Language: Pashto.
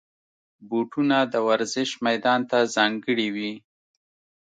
بوټونه د ورزش میدان ته ځانګړي وي.